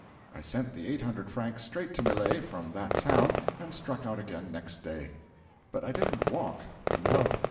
I sent the eight hundred francs straight to Millet from that town and struck out again next day. 'But I didn't walk no.